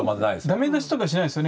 ダメ出しとかしないですよね